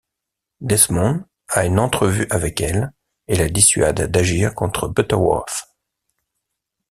Desmond a une entrevue avec elle et la dissuade d'agir contre Butterworth.